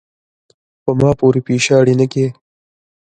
پۀ ما پورې پیشاړې نۀ کے ،